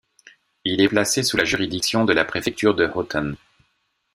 Il est placé sous la juridiction de la préfecture de Hotan.